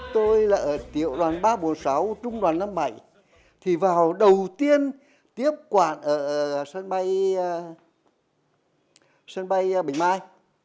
tôi là ở tiểu đoàn ba trăm bốn mươi sáu trung đoàn năm mươi bảy thì vào đầu tiên tiếp quản ở sân bay sân bay bình mai